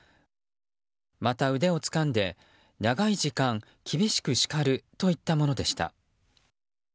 また腕をつかんで長い時間厳しく叱るといったものでした。